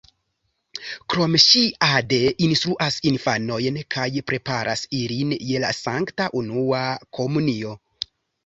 Krome ŝi ade instruas infanojn kaj preparas ilin je la sankta unua komunio.